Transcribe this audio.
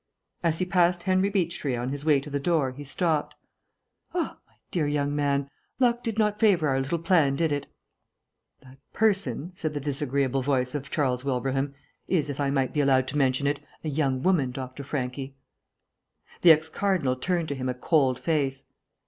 As he passed Henry Beechtree on his way to the door, he stopped. "Ah, my dear young man. Luck did not favour our little plan, did it?" "That person," said the disagreeable voice of Charles Wilbraham, "is, if I may be allowed to mention it, a young woman, Dr. Franchi." The ex cardinal turned to him a cold face.